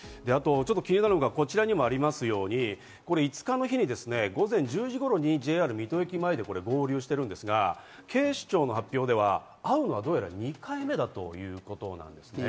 気になるのがこちらにもありますように、５日の日の午前１０時頃にＪＲ水戸駅前で合流してるんですが、警視庁の発表では、会うのはどうやら２回目だということなんです。